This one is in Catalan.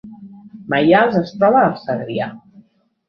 Maials es troba al Segrià